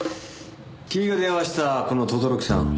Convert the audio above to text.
君が電話したこの轟さん